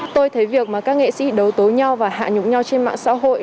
tôi thấy việc mà các nghệ sĩ đấu tối nhau và hạ nhục nhau trên mạng xã hội